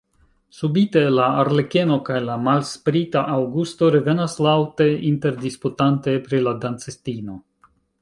Subite la arlekeno kaj la malsprita Aŭgusto revenas laŭte interdisputante pri la dancistino.